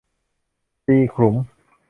ตีขลุม